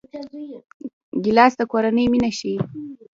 ګیلاس د کورنۍ مینه ښيي.